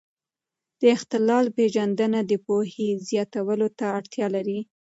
د اختلال پېژندنه د پوهې زیاتولو ته اړتیا لري.